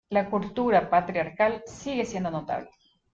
La cultura patriarcal sigue siendo notable.